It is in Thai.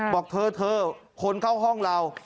บอกเธอคนเข้าห้องเรา